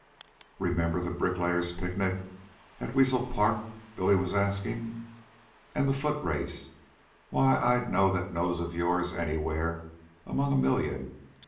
"Remember the Bricklayers' Picnic at Weasel Park?" Billy was asking. "An' the foot race? Why, I'd know that nose of yours anywhere among a million.